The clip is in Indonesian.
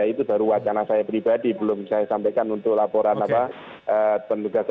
itu baru wacana saya pribadi belum saya sampaikan untuk laporan penduga